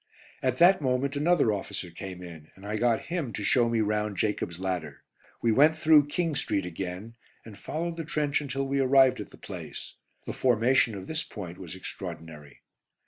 At that moment another officer came in, and I got him to show me round "Jacob's Ladder." We went through "King Street" again, and followed the trench until we arrived at the place. The formation of this point was extraordinary.